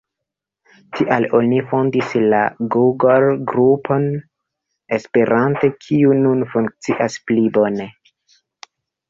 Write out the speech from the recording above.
Tial oni fondis la google-grupon esperante, kiu nun funkcias pli bone.